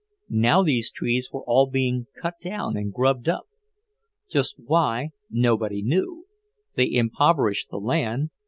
Now these trees were all being cut down and grubbed up. Just why, nobody knew; they impoverished the land...